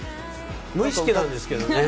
無意識なんですけどね。